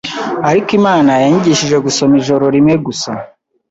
ariko Imana yanyigishije gusoma ijoro rimwe gusa